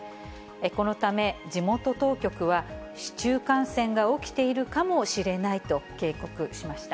このため、地元当局は、市中感染が起きているかもしれないと警告しました。